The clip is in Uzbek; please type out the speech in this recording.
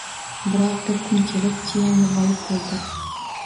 Biroq bir kun kelib Chiang g‘oyib bo‘ldi.